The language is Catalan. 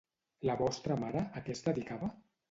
La vostra mare, a què es dedicava?